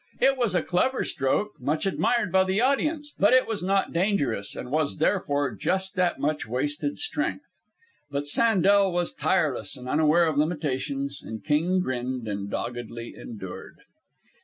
It was a clever stroke, much admired by the audience, but it was not dangerous, and was, therefore, just that much wasted strength. But Sandel was tireless and unaware of limitations, and King grinned and doggedly endured.